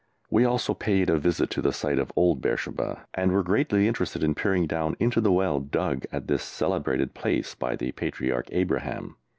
We also paid a visit to the site of Old Beersheba, and were greatly interested in peering down into the well dug at this celebrated place by the Patriarch Abraham.